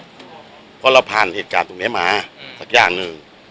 เพราะเราผ่านเหตุการณ์ตรงนี้มาสักอย่างหนึ่ง